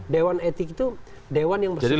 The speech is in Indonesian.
dewan etik itu dewan yang bersifat tetap